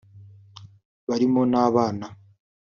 barimo n’abana